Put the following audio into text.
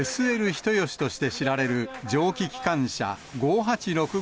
ＳＬ人吉として知られる蒸気機関車５８６５４。